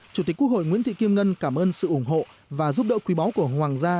chủ tịch quốc hội nguyễn thị kim ngân cảm ơn sự ủng hộ và giúp đỡ quý báu của hoàng gia